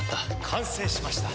完成しました。